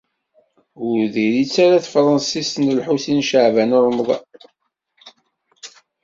Ur diri-tt ara tefransist n Lḥusin n Caɛban u Ṛemḍan.